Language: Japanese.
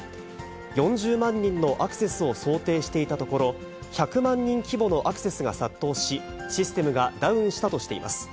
４０万人のアクセスを想定していたところ、１００万人規模のアクセスが殺到し、システムがダウンしたとしています。